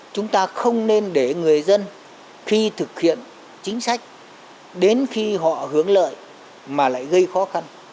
chúng ta không nên để người dân khi thực hiện chính sách đến khi họ hướng lợi mà lại gây khó khăn